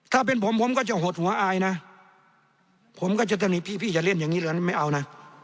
ถ้าเป็นผมผมก็จะหดหัวอายนะผมก็จะสนิทพี่พี่อย่าเล่นอย่างนี้เลยไม่เอานะ